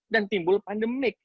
dan timbul pandemik